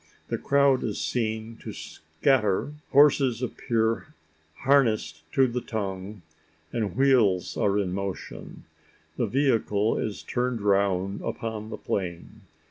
The crowd is seen to scatter. Horses appear harnessed to the tongue the wheels are in motion the vehicle is turning round upon the plain.